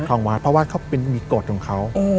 ทางวัดเพราะว่ามีกฎของเขา